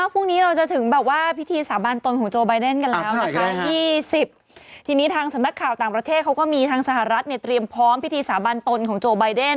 พรุ่งนี้เราจะถึงบางว่าพิธีสอบบันตนของโจ